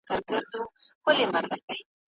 ایا هیوادونه کولای سي بې له پلانه پرمختګ وکړي؟